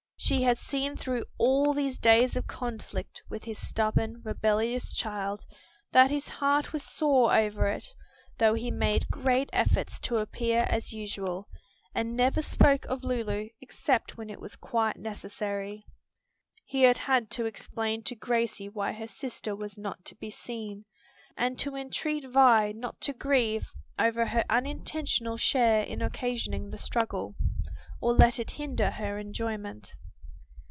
She had seen through all these days of conflict with his stubborn, rebellious child, that his heart was sore over it, though he made great efforts to appear as usual, and never spoke of Lulu except when it was quite necessary. He had had to explain to Gracie why her sister was not to be seen, and to entreat Vi not to grieve over her unintentional share in occasioning the struggle, or let it hinder her enjoyment.